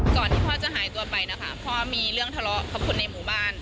ที่พ่อจะหายตัวไปนะคะพ่อมีเรื่องทะเลาะกับคนในหมู่บ้าน